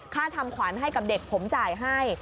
ค่าทำขวัญให้กับเด็กผมจ่ายให้